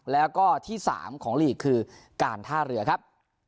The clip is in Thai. แล้วก็ที่๓ของลีกคือการท่าเรือครับ